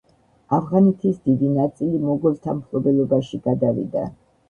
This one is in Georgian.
ავღანეთის დიდი ნაწილი მოგოლთა მფლობელობაში გადავიდა.